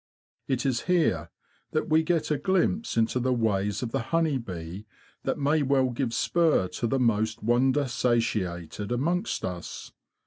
It is here that we get a glimpse into the ways of the honey bee that may well give spur to the most wonder satiated amongst us.